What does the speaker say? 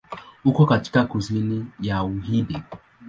Uko katika kusini ya Uhindi.